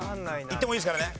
いってもいいですからね。